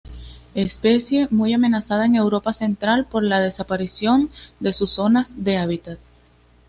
Especie muy amenazada en Europa Central, por la desaparición de sus zonas de hábitat.